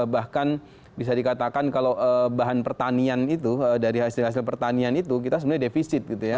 bahkan bisa dikatakan kalau bahan pertanian itu dari hasil hasil pertanian itu kita sebenarnya defisit gitu ya